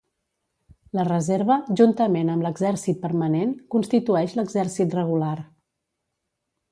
La reserva, juntament amb l'exèrcit permanent, constitueix l'exèrcit regular.